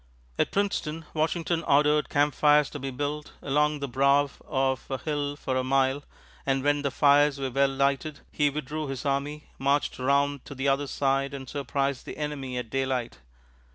At Princeton, Washington ordered campfires to be built along the brow of a hill for a mile, and when the fires were well lighted, he withdrew his army, marched around to the other side, and surprised the enemy at daylight.